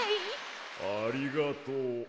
ありがとう。